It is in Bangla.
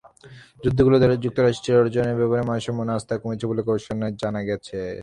যুদ্ধগুলোতে যুক্তরাষ্ট্রের অর্জনের ব্যাপারে মানুষের মনে আস্থা কমেছে বলে গবেষণায় জানা গেছে।